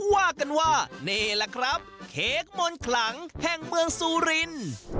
ว่ากันว่านี่แหละครับเค้กมนต์ขลังแห่งเมืองซูรินทร์